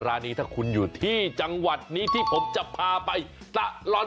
ร้านนี้ถ้าคุณอยู่ที่จังหวัดนี้ที่ผมจะพาไปสะลอน